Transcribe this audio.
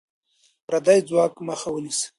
د پردی ځواک مخه ونیسه.